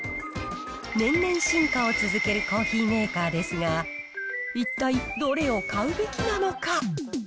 年々進化を続けるコーヒーメーカーですが、一体どれを買うべきなのか。